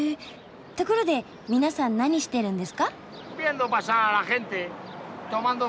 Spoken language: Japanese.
ところで皆さん何してるんですか？